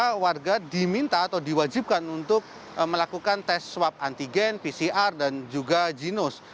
karena warga diminta atau diwajibkan untuk melakukan tes swab antigen pcr dan juga ginos